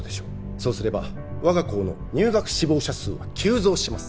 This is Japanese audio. そうすれば我が校の入学志望者数は急増します